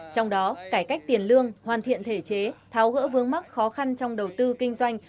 trong đó cải cách tiền lương hoàn thiện thể chế tháo gỡ vướng mắc khó khăn trong đầu tư kinh doanh